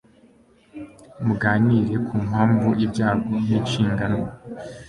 Muganire ku mpamvu ibyago ninshingano